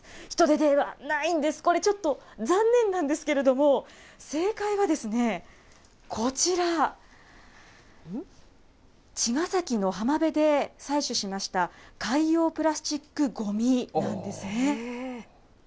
ヒトデではないんです、これちょっと、残念なんですけれども、正解はこちら、茅ヶ崎の浜辺で採取しました、海洋プラスチックごみなんですね。